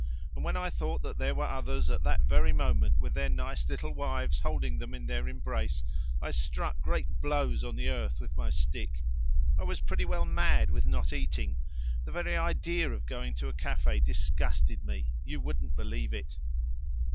And when I thought that there were others at that very moment with their nice little wives holding them in their embrace, I struck great blows on the earth with my stick. I was pretty well mad with not eating; the very idea of going to a cafe disgusted me you wouldn't believe it.